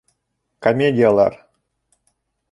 Комедиялар.